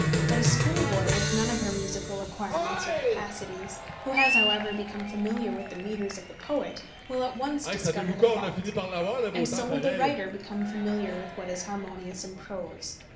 But a schoolboy with none of her musical acquirements or capacities, who has, however, become familiar with the metres of the poet, will at once discover the fault. And so will the writer become familiar with what is harmonious in prose.